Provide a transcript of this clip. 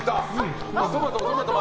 トマトも。